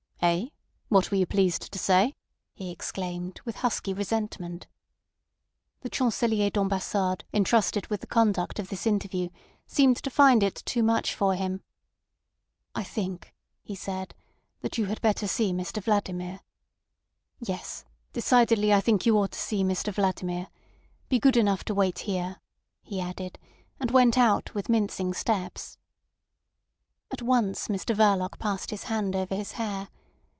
"Eh? What were you pleased to say?" he exclaimed, with husky resentment. The Chancelier d'Ambassade entrusted with the conduct of this interview seemed to find it too much for him. "I think," he said, "that you had better see Mr Vladimir. Yes, decidedly I think you ought to see Mr Vladimir. Be good enough to wait here," he added, and went out with mincing steps. At once Mr Verloc passed his hand over his hair.